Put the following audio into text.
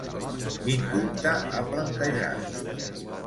Quin dubte ha plantejat?